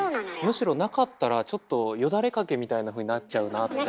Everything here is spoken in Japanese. むしろなかったらちょっとよだれ掛けみたいなふうになっちゃうなって。